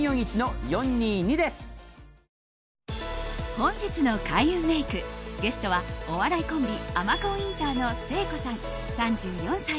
本日の開運メイク、ゲストはお笑いコンビ尼神インターの誠子さん、３４歳。